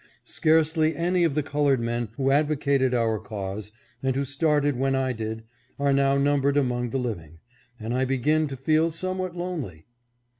Scarcely any of the colored men who advo cated our cause, and who started when I did, are now numbered among the living, and I begin to feel somewhat lonely.